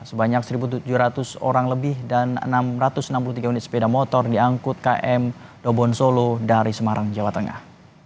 sebanyak satu tujuh ratus orang lebih dan enam ratus enam puluh tiga unit sepeda motor diangkut km dobon solo dari semarang jawa tengah